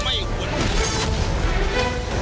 ไม่หวน